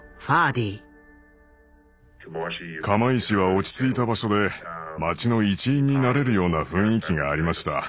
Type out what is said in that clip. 釜石は落ち着いた場所で町の一員になれるような雰囲気がありました。